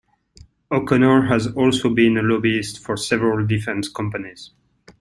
O'Connor has also been a lobbyist for several defence companies.